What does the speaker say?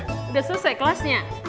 sudah selesai kelasnya